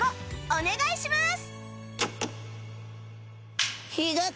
お願いします